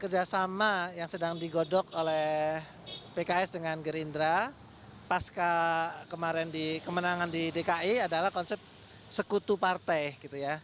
kerjasama yang sedang digodok oleh pks dengan gerindra pas kemarin di kemenangan di dki adalah konsep sekutu partai gitu ya